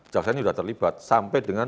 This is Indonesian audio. jaksa ini sudah terlibat sampai dengan